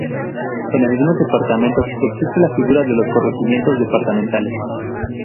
En algunos departamentos existe la figura de los corregimientos departamentales.